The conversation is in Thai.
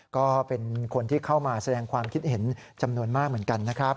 ก็เป็นคนที่เข้ามาแสดงความคิดเห็นจำนวนมากเหมือนกันนะครับ